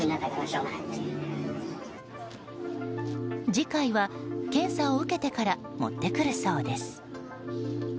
次回は、検査を受けてから持ってくるそうです。